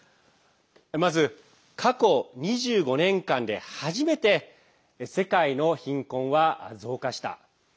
まず、過去２５年間で初めて世界の貧困は増加した。